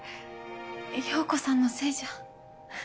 えっ洋子さんのせいじゃ。